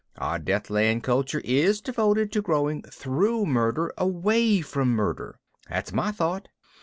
Our Deathland culture is devoted to growing through murder away from murder. That's my thought.